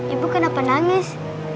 ibu kenapa nangis